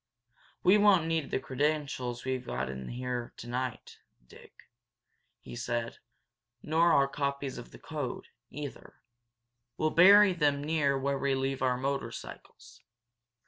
"We won't need the credentials we've got in there tonight, Dick," he said. "Nor our copies of the code, either. We'll bury them near where we leave our motorcycles.